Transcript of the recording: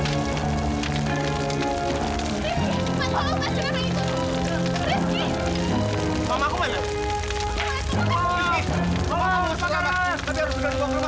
ini udah paling ngebut banget gi sabar dong